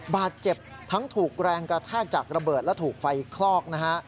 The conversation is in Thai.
บาดเจ็บทั้งถูกแรงกระแทกจากระเบิดและถูกไฟคลอกนะฮะ